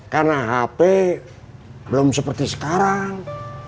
karena hp belum seperti sekarang